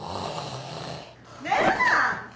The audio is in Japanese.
寝るな！